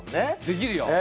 できるよ。